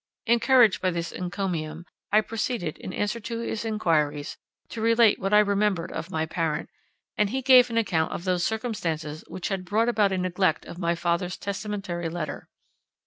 Encouraged by this encomium, I proceeded, in answer to his inquiries, to relate what I remembered of my parent; and he gave an account of those circumstances which had brought about a neglect of my father's testamentary letter.